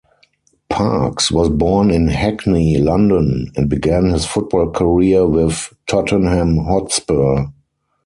Parks was born in Hackney, London, and began his football career with Tottenham Hotspur.